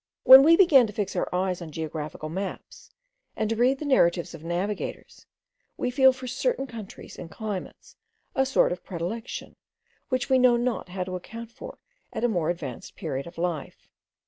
When we begin to fix our eyes on geographical maps, and to read the narratives of navigators, we feel for certain countries and climates a sort of predilection, which we know not how to account for at a more advanced period of life.